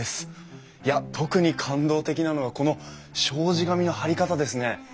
いや特に感動的なのがこの障子紙の貼り方ですね。